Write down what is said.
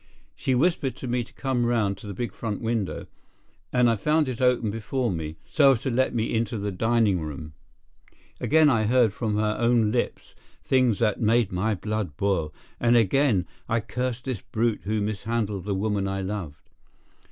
She whispered to me to come round to the big front window, and I found it open before me, so as to let me into the dining room. Again I heard from her own lips things that made my blood boil, and again I cursed this brute who mishandled the woman I loved.